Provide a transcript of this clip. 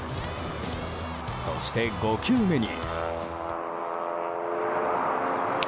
そして、５球目に。